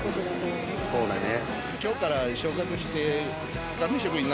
そうだね。